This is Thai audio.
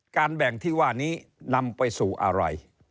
การแบ่งที่ว่านี้นำไปสู่อะไร